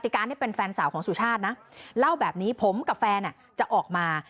การนี่เป็นแฟนสาวของสุชาตินะเล่าแบบนี้ผมกับแฟนจะออกมา